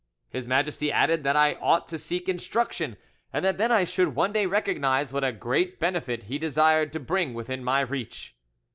His Majesty added that I ought to seek instruction, and that then I should one day recognise what a great benefit he desired to bring within my reach.